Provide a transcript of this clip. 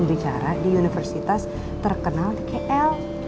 bicara di universitas terkenal di kl